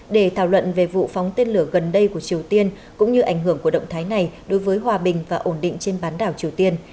để thảo luận về vụ phóng tên lửa gần đây của triều tiên cũng như ảnh hưởng của động thái này đối với hòa bình và ổn định trên bán đảo triều tiên